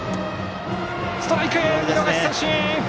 ストライク、見逃し三振。